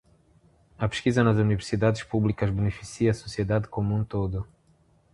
A pesquisa nas universidades públicas beneficia a sociedade como um todo.